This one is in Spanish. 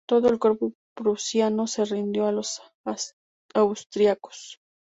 Todo el cuerpo prusiano se rindió a los austriacos.